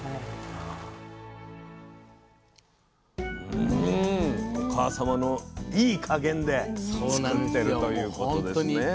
うんお母様のいい加減で作ってるということですね。